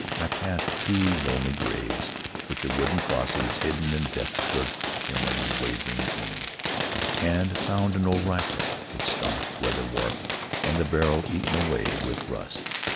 I passed two lonely graves with their wooden crosses hidden in depths of shimmering, waving green, and found an old rifle, its stock weather warped and the barrel eaten away with rust.